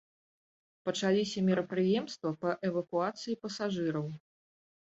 Пачаліся мерапрыемствы па эвакуацыі пасажыраў.